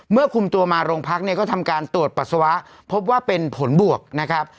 คุมตัวมาโรงพักเนี่ยก็ทำการตรวจปัสสาวะพบว่าเป็นผลบวกนะครับ